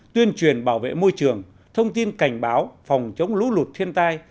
tuyên truyền bảo vệ môi trường thông tin cảnh báo phòng chống lũ lụt thiên tai